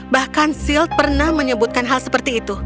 bahkan silt pernah menyebutkan hal seperti itu